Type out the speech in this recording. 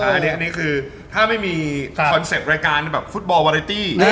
อันนี้คือถ้าไม่มีคอนเซ็ปต์รายการแบบฟุตบอลวาเรตี้